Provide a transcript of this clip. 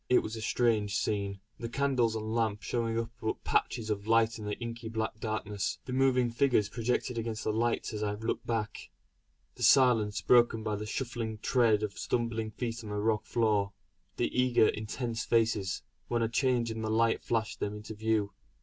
It was a strange scene. The candles and lamp showing up but patches of light in the inky black darkness; the moving figures projected against the lights as I looked back; the silence broken by the shuffling tread of stumbling feet on the rock floor; the eager intense faces, when a change in the light flashed them into view.